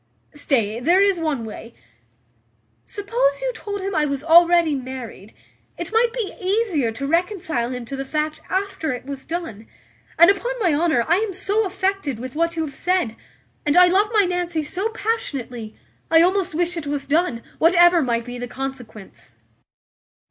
Stay, there is one way suppose you told him I was already married, it might be easier to reconcile him to the fact after it was done; and, upon my honour, I am so affected with what you have said, and I love my Nancy so passionately, I almost wish it was done, whatever might be the consequence."